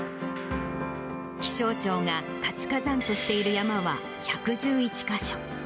気象庁が活火山としている山は１１１か所。